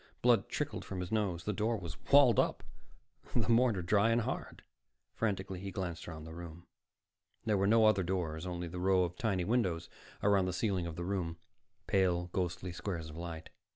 Blood trickled from his nose. The door was walled up, the mortar dry and hard. Frantically, he glanced around the room. There were no other doors, only the row of tiny windows around the ceiling of the room, pale, ghostly squares of light.